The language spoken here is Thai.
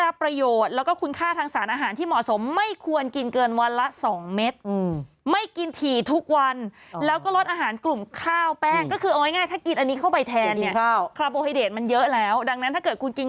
เขาบอกว่าถ้าเจ้าสมมติจะกินทุเรียนให้ได้รับประโยชน์